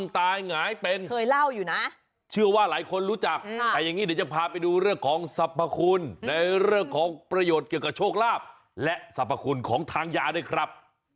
ตายหงายเป็นเคยเล่าอยู่นะเชื่อว่าหลายคนรู้จักแต่อย่างนี้เดี๋ยวจะพาไปดูเรื่องของสรรพคุณในเรื่องของประโยชน์เกี่ยวกับโชคลาภและสรรพคุณของทางยาด้วยครับ